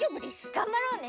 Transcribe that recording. がんばろうね。